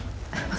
terima kasih mbak